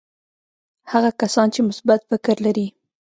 هغه کسان چې مثبت فکر لري.